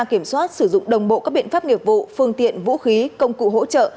kiểm soát sử dụng đồng bộ các biện pháp nghiệp vụ phương tiện vũ khí công cụ hỗ trợ